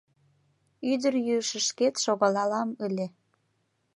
Ӱдырйӱышышкет шогалалам ыле.